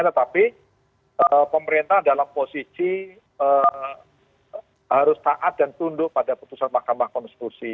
tetapi pemerintah dalam posisi harus taat dan tunduk pada putusan mahkamah konstitusi